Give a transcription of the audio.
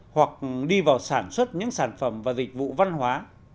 hoặc đi vào sản xuất những sản phẩm và dịch vụ văn hóa